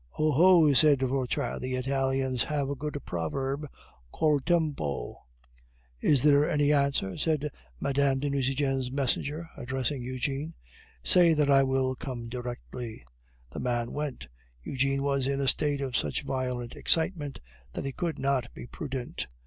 "Oh, ho!" said Vautrin, "the Italians have a good proverb Col tempo." "Is there any answer?" said Mme. de Nucingen's messenger, addressing Eugene. "Say that I will come directly." The man went. Eugene was in a state of such violent excitement that he could not be prudent.